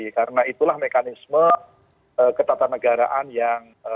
karena itulah mekanisme ketatanegaraan yang